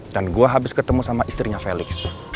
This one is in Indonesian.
dan gue habis ketemu sama istrinya felix